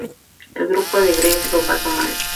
El grupo de Gregg lo pasó mal.